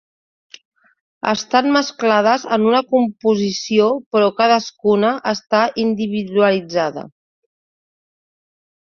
Estan mesclades en una composició però cadascuna està individualitzada.